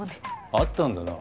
あったんだな